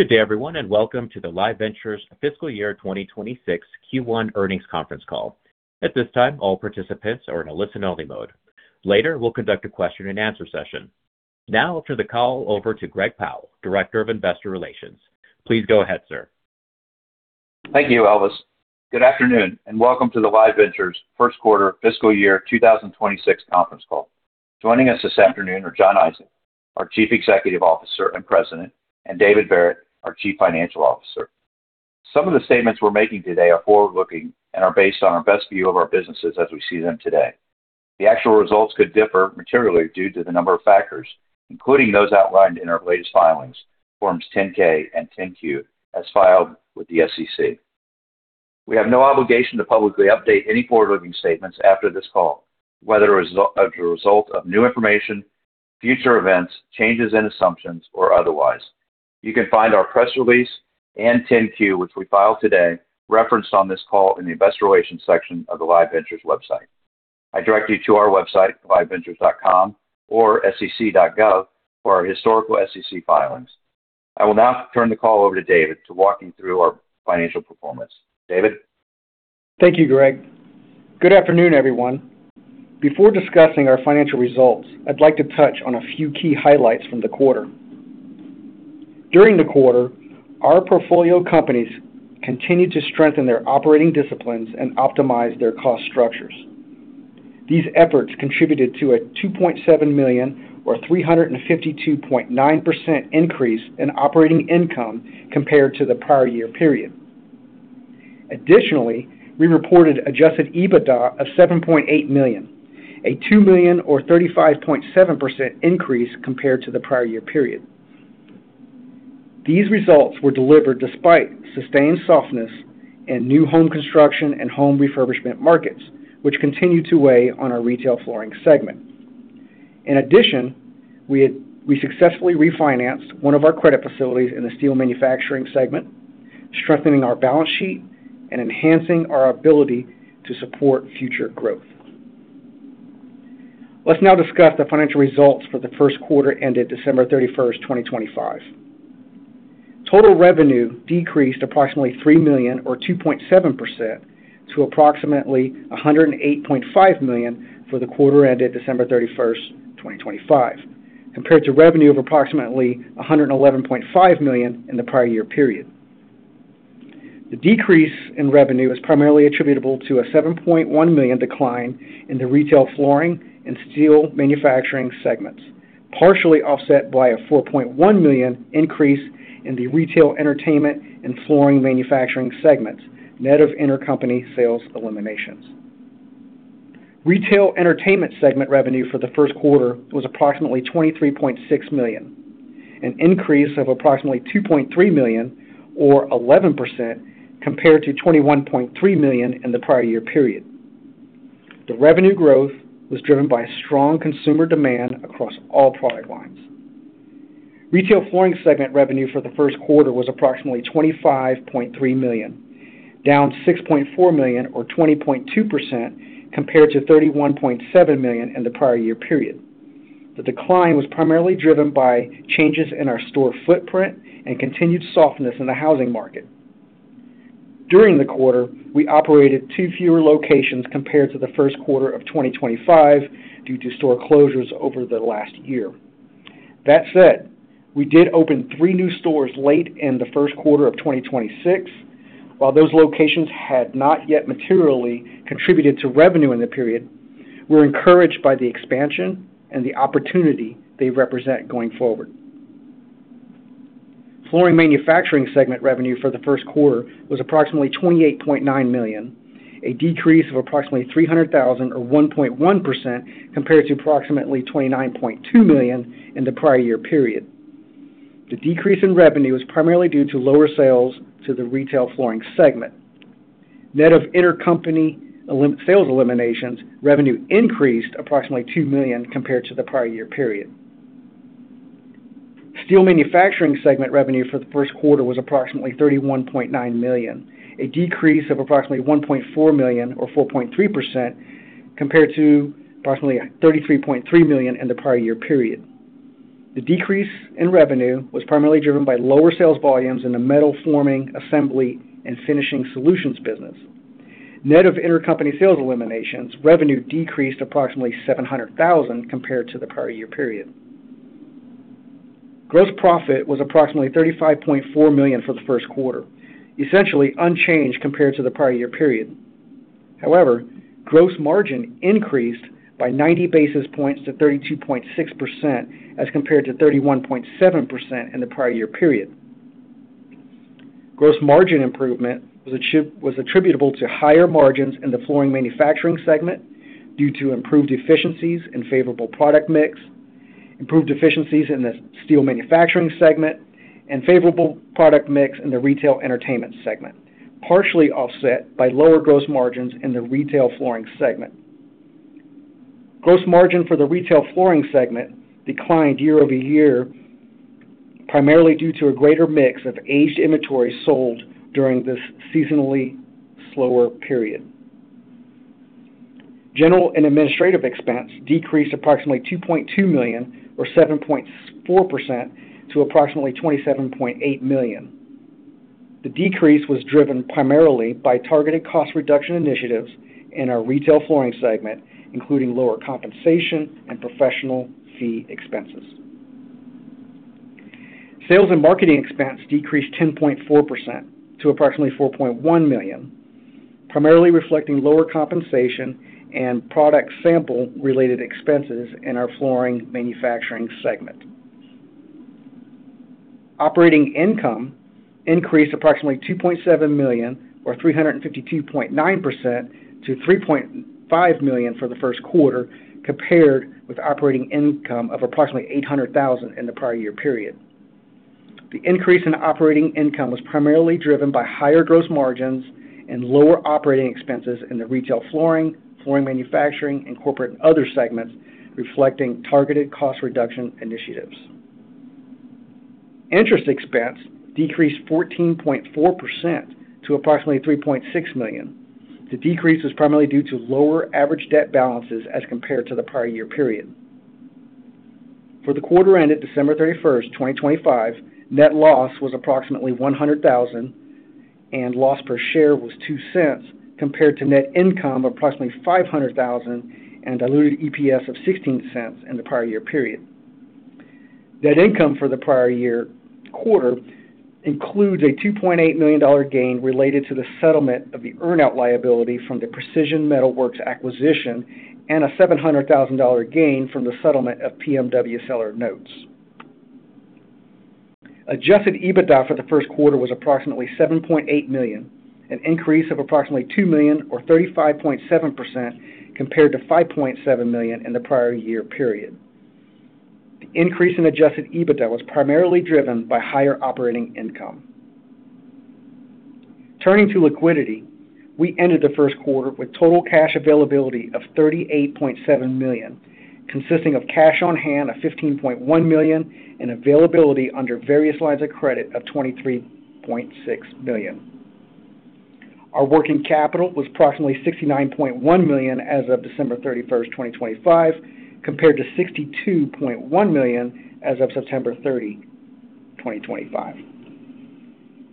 Good day, everyone, and welcome to the Live Ventures Fiscal Year 2026 Q1 Earnings Conference Call. At this time, all participants are in a listen-only mode. Later, we'll conduct a question-and-answer session. Now I'll turn the call over to Greg Powell, Director of Investor Relations. Please go ahead, sir. Thank you, Elvis. Good afternoon, and welcome to the Live Ventures first quarter fiscal year 2026 conference call. Joining us this afternoon are Jon Isaac, our Chief Executive Officer and President, and David Verret, our Chief Financial Officer. Some of the statements we're making today are forward-looking and are based on our best view of our businesses as we see them today. The actual results could differ materially due to the number of factors, including those outlined in our latest filings, Form 10-K and 10-Q, as filed with the SEC. We have no obligation to publicly update any forward-looking statements after this call, whether as a result of new information, future events, changes in assumptions, or otherwise. You can find our press release and 10-Q, which we filed today, referenced on this call in the Investor Relations section of the Live Ventures website. I direct you to our website, liveventures.com, or SEC.gov for our historical SEC filings. I will now turn the call over to David to walk you through our financial performance. David? Thank you, Greg. Good afternoon, everyone. Before discussing our financial results, I'd like to touch on a few key highlights from the quarter. During the quarter, our portfolio companies continued to strengthen their operating disciplines and optimize their cost structures. These efforts contributed to a $2.7 million, or 352.9% increase in operating income compared to the prior year period. Additionally, we reported adjusted EBITDA of $7.8 million, a $2 million or 35.7% increase compared to the prior year period. These results were delivered despite sustained softness in new home construction and home refurbishment markets, which continued to weigh on our Retail-Flooring segment. In addition, we successfully refinanced one of our credit facilities in the Steel Manufacturing segment, strengthening our balance sheet and enhancing our ability to support future growth. Let's now discuss the financial results for the first quarter ended December 31, 2025. Total revenue decreased approximately $3 million or 2.7% to approximately $108.5 million for the quarter ended December 31, 2025, compared to revenue of approximately $111.5 million in the prior year period. The decrease in revenue is primarily attributable to a $7.1 million decline in the Retail-Flooring and Steel Manufacturing segments, partially offset by a $4.1 million increase in the Retail-Entertainment and Flooring Manufacturing segments, net of intercompany sales eliminations. Retail-Entertainment segment revenue for the first quarter was approximately $23.6 million, an increase of approximately $2.3 million, or 11% compared to $21.3 million in the prior year period. The revenue growth was driven by strong consumer demand across all product lines. Retail-Flooring segment revenue for the first quarter was approximately $25.3 million, down $6.4 million, or 20.2%, compared to $31.7 million in the prior year period. The decline was primarily driven by changes in our store footprint and continued softness in the housing market. During the quarter, we operated two fewer locations compared to the first quarter of 2025 due to store closures over the last year. That said, we did open three new stores late in the first quarter of 2026. While those locations had not yet materially contributed to revenue in the period, we're encouraged by the expansion and the opportunity they represent going forward. Flooring Manufacturing segment revenue for the first quarter was approximately $28.9 million, a decrease of approximately $300,000 or 1.1%, compared to approximately $29.2 million in the prior year period. The decrease in revenue was primarily due to lower sales to the Retail-Flooring segment. Net of intercompany sales eliminations, revenue increased approximately $2 million compared to the prior year period. Steel Manufacturing segment revenue for the first quarter was approximately $31.9 million, a decrease of approximately $1.4 million, or 4.3%, compared to approximately $33.3 million in the prior year period. The decrease in revenue was primarily driven by lower sales volumes in the metal forming, assembly, and finishing solutions business. Net of intercompany sales eliminations, revenue decreased approximately $700,000 compared to the prior year period. Gross profit was approximately $35.4 million for the first quarter, essentially unchanged compared to the prior year period. However, gross margin increased by 90 basis points to 32.6%, as compared to 31.7% in the prior year period. Gross margin improvement was attributable to higher margins in the Flooring Manufacturing segment due to improved efficiencies and favorable product mix, improved efficiencies in the Steel Manufacturing segment, and favorable product mix in the Retail-Entertainment segment, partially offset by lower gross margins in the Retail-Flooring segment. Gross margin for the Retail-Flooring segment declined year-over-year, primarily due to a greater mix of aged inventory sold during this seasonally slower period. General and administrative expense decreased approximately $2.2 million, or 7.4%, to approximately $27.8 million. The decrease was driven primarily by targeted cost reduction initiatives in our Retail-Flooring segment, including lower compensation and professional fee expenses. Sales and marketing expense decreased 10.4% to approximately $4.1 million, primarily reflecting lower compensation and product sample-related expenses in our Flooring Manufacturing segment. Operating income increased approximately $2.7 million, or 352.9%, to $3.5 million for the first quarter, compared with operating income of approximately $800,000 in the prior year period. The increase in operating income was primarily driven by higher gross margins and lower operating expenses in the Retail-Flooring, Flooring Manufacturing, and Corporate & Other segments, reflecting targeted cost reduction initiatives. Interest expense decreased 14.4% to approximately $3.6 million. The decrease was primarily due to lower average debt balances as compared to the prior year period. For the quarter ended December 31, 2025, net loss was approximately $100,000, and loss per share was $0.02, compared to net income of approximately $500,000 and diluted EPS of $0.16 in the prior year period. Net income for the prior year quarter includes a $2.8 million gain related to the settlement of the earn-out liability from the Precision Metal Works acquisition and a $700,000 gain from the settlement of PMW seller notes. Adjusted EBITDA for the first quarter was approximately $7.8 million, an increase of approximately $2 million, or 35.7%, compared to $5.7 million in the prior year period. The increase in adjusted EBITDA was primarily driven by higher operating income. Turning to liquidity, we ended the first quarter with total cash availability of $38.7 million, consisting of cash on hand of $15.1 million and availability under various lines of credit of $23.6 million. Our working capital was approximately $69.1 million as of December 31, 2025, compared to $62.1 million as of September 30, 2025.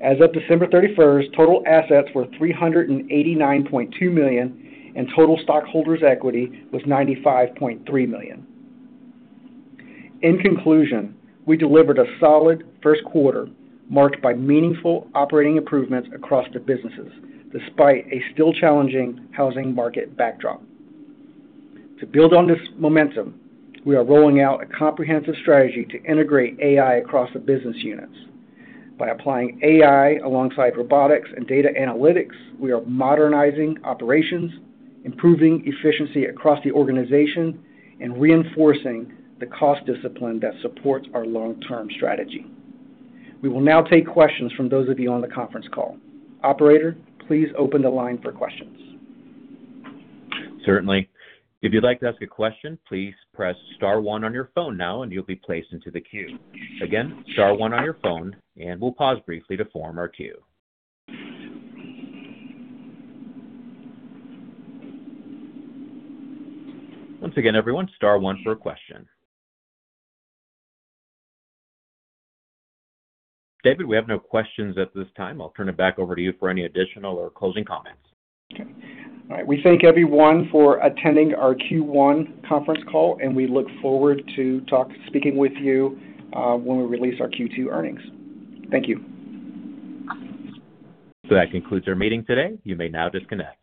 As of December 31, total assets were $389.2 million, and total stockholders' equity was $95.3 million. In conclusion, we delivered a solid first quarter, marked by meaningful operating improvements across the businesses, despite a still challenging housing market backdrop. To build on this momentum, we are rolling out a comprehensive strategy to integrate AI across the business units. By applying AI alongside robotics and data analytics, we are modernizing operations, improving efficiency across the organization, and reinforcing the cost discipline that supports our long-term strategy. We will now take questions from those of you on the conference call. Operator, please open the line for questions. Certainly. If you'd like to ask a question, please press star one on your phone now, and you'll be placed into the queue. Again, star one on your phone, and we'll pause briefly to form our queue. Once again, everyone, star one for a question. David, we have no questions at this time. I'll turn it back over to you for any additional or closing comments. Okay. All right. We thank everyone for attending our Q1 conference call, and we look forward to talk, speaking with you, when we release our Q2 earnings. Thank you. That concludes our meeting today. You may now disconnect.